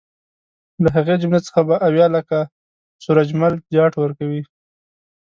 له هغې جملې څخه به اویا لکه سورج مل جاټ ورکوي.